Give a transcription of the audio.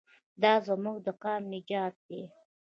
دا زموږ د قام نجات دی.